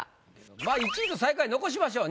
まあ１位と最下位残しましょう。